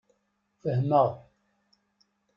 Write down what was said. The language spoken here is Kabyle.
Fehmeɣ.